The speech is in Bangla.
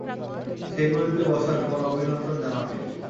সেই গদিতে বসার পর অভিনন্দন জানাবি।